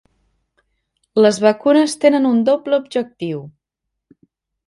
Les vacunes tenen un doble objectiu.